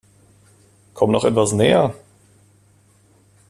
Komm noch etwas näher!